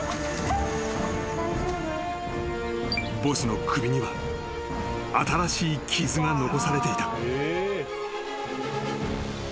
［ボスの首には新しい傷が残されていた］